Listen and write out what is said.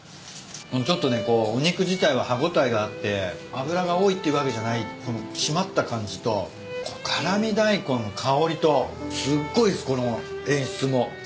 ちょっとねこうお肉自体は歯応えがあって脂が多いっていうわけじゃないこの締まった感じと辛味ダイコンの香りとすっごいっすこの演出も。